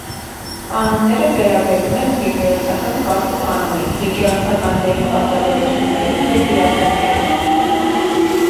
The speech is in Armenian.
Կանոնները վերաբերում են եկեղեցական կարգ ու կանոնին, եկեղեցականների պարտավորություններին և իրավունքներին։